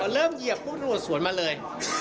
เริ่มเหยียบพวกตำรวจสวนมาเลย